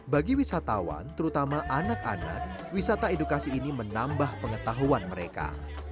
bagi wisatawan terutama anak anak wisata edukasi ini menambah pengetahuan mereka